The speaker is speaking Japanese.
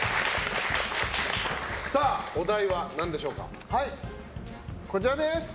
お題は何でしょうか。